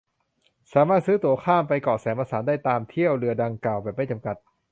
สามารถซื้อตั๋วข้ามไปเกาะแสมสารได้ตามเที่ยวเรือดังกล่าวแบบไม่จำกัด